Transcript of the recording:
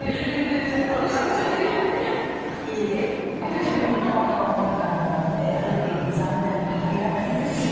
私もいっぱいママモリからもらって残念入らないんですよ。